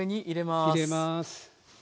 入れます。